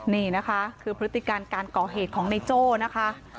นี่นะคะคือพฤติการการก่อเหตุของในโจ้นะคะ